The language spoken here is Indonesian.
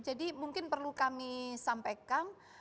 jadi mungkin perlu kami sampaikan